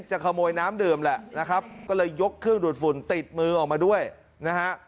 จะขโมยน้ำดื่มแหละนะครับก็เลยยกเครื่องดูดฝุ่นติดมือออกมาด้วยนะฮะ